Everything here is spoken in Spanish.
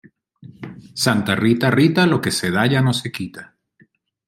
Santa Rita, Rita, lo que se da ya no se quita